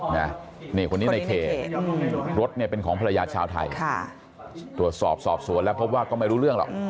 นี่คนนี้นายเครถเป็นของพระยาชาวไทยตรวจสอบสวนแล้วเขาบอกว่าก็ไม่รู้เรื่องหรอก